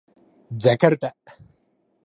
ジャカルタ